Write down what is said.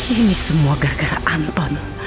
ini semua gara gara anton